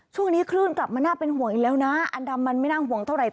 ช่วงนี้คลื่นกลับมาน่าเป็นห่วงอีกแล้วนะอันดำมันไม่น่าห่วงเท่าไหร่